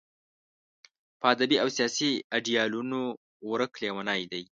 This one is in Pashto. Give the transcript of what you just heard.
په ادبي او سیاسي ایډیالونو ورک لېونی دی.